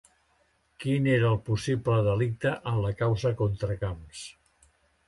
Quin era el possible delicte en la causa contra Camps?